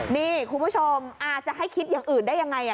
นี่คุณผู้ชมอาจจะให้คิดอย่างอื่นได้ยังไง